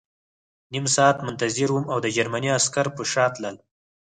نیم ساعت منتظر وم او د جرمني عسکر په شا تلل